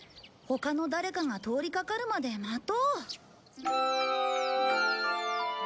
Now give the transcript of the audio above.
他の誰かが通りかかるまで待とう。